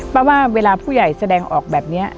เพราะว่าเวลาผู้ใหญ่แสดงออกแบบนี้